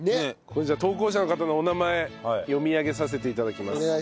これじゃあ投稿者の方のお名前読み上げさせて頂きます。